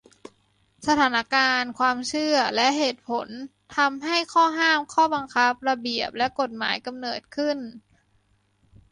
สถานการณ์ ความเชื่อ และเหตุผล ทำให้ข้อห้าม ข้อบังคับ ระเบียบ และกฎหมายกำเนิดขึ้น